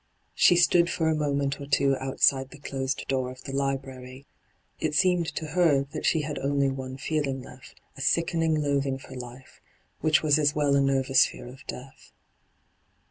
She stood for a moment or two outside the closed door of the library. It seemed to her that she had only one feeling left, a sickening loathing for life, which was as well a nervous fear of "death.